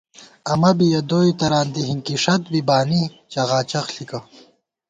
امہ بی یَہ دوئے تران دِی ہِنکِی ݭَت بی بانی چغاچغ ݪِکہ